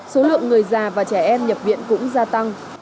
số lượng người già và trẻ em nhập viện cũng gia tăng